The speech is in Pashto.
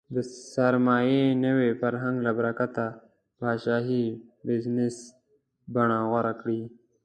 د سرمایې د نوي فرهنګ له برکته پاچاهۍ بزنس بڼه غوره کړې.